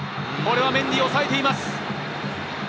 これはメンディが抑えています。